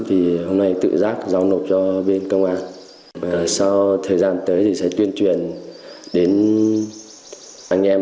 thì hôm nay tự giác giao nộp cho bên công an và sau thời gian tới thì sẽ tuyên truyền đến anh em